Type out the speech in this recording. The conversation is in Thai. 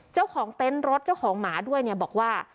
เจ้าของเต็นต์รถเจ้าของหมาด้วยเนี่ยบอกว่า